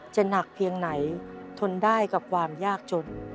หนักเพียงไหนทนได้กับความยากจน